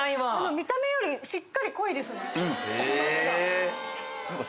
見た目よりしっかり濃いですね。